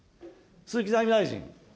鈴木財務大臣。